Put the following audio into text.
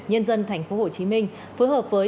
nhân dân tp hcm phối hợp với